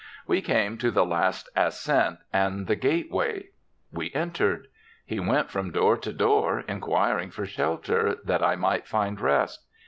We came to the last ascent and the gateway; we entered. He went from door to door, inquiring for shelter, that I might find rest.